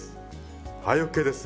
はいＯＫです。